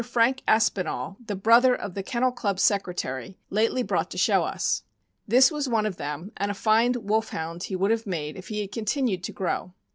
Frank Aspinall, the brother of the Kennel Club secretary, lately brought to show us. This was one of them, and a fine Wolfhound he would luive made if he had continued to grow.